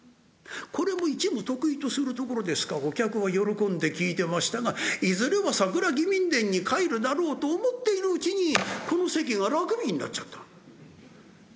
これも一夢得意とするところですからお客は喜んで聴いてましたがいずれは「佐倉義民伝」に返るだろうと思っているうちにこの席が楽日になっちゃった。